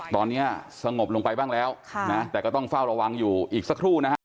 ตอนนี้สงบลงไปบ้างแล้วแต่ก็ต้องเฝ้าระวังอยู่อีกสักครู่นะฮะ